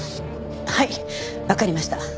はいわかりました。